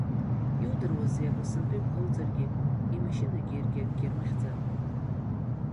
Иудыруазеи абасынтәи ибӷоуҵаргьы, имашьынагьы иаргьы акгьы рмыхьӡар!